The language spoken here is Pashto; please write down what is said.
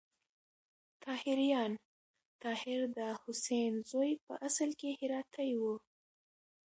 طاهریان: طاهر د حسین زوی په اصل کې هراتی و.